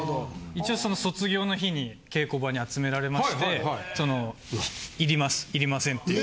一応その卒業の日に稽古場に集められましていりますいりませんっていう。